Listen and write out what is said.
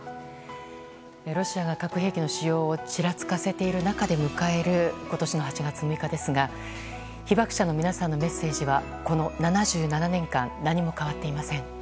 ロシアが核兵器の使用をちらつかせている中で迎える今年の８月６日ですが被爆者の皆さんのメッセージはこの７７年間何も変わっていません。